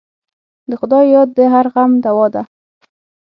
د خدای یاد د هر غم دوا ده.